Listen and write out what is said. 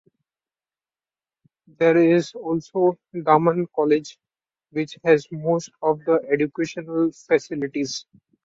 There is also Daman College, which has most of the educational facilities.